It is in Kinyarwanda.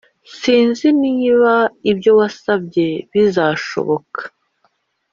sinzi niba ibyo wasabye bizashoboka